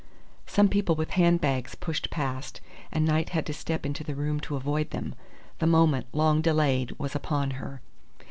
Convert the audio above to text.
Some people with handbags pushed past, and Knight had to step into the room to avoid them. The moment, long delayed, was upon her!